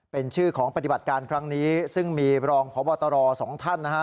เป็นชื่อของปฏิบัติการครั้งนี้ซึ่งมีรองพบตรสองท่านนะฮะ